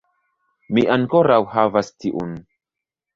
Mi ankoraŭ havas tiun